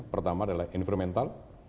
pertama adalah environmental